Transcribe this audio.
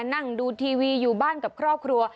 นั่งดูทีวีอยู่บ้านกับครอบครัว